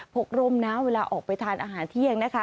กร่มนะเวลาออกไปทานอาหารเที่ยงนะคะ